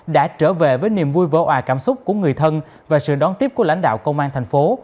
đã trở về với niềm vui vỡ hòa cảm xúc của người thân và sự đón tiếp của lãnh đạo công an thành phố